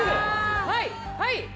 はいはい！